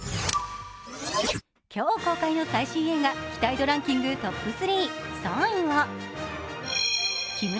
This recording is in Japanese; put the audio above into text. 今日公開の最新映画、期待度ランキングトップ３。